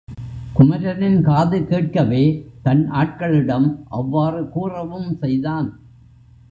குமரனின் காது கேட்கவே தன் ஆட்களிடம் அவ்வாறு கூறவும் செய்தான்.